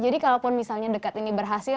jadi kalaupun misalnya dekat ini berhasil